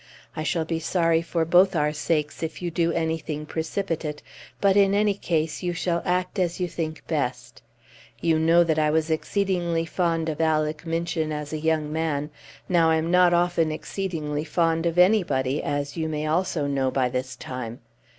I shall be sorry for both our sakes if you do anything precipitate, but in any case you shall act as you think best. You know that I was exceedingly fond of Alec Minchin as a young man; now, I am not often exceedingly fond of anybody, as you may also know by this time.